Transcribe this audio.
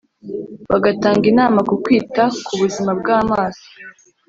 bagatanga inama ku kwita ku buzima bw amaso